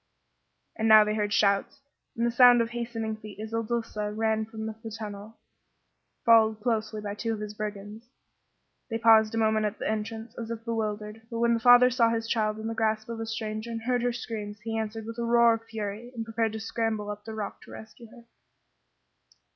And now they heard shouts and the sound of hastening feet as Il Duca ran from the tunnel, followed closely by two of his brigands. They paused a moment at the entrance, as if bewildered, but when the father saw his child in the grasp of a stranger and heard her screams he answered with a roar of fury and prepared to scramble up the rock to rescue her.